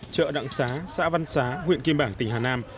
chợ đặng xá xã văn xá huyện kim bảng tỉnh hà nam